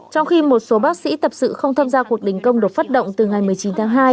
trong khi một số bác sĩ tập sự không tham gia cuộc đình công đột phát động từ ngày một mươi chín tháng hai